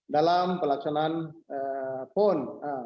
dalam pelaksanaan pon